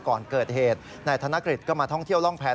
ก่อนเกิดเหตุนายธนกฤษก็มาท่องเที่ยวร่องแพง